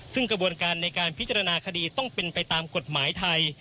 ซึ่งกระบวนการในการพิจารณาคดีต้องเป็นไปตามกฎหมายไทย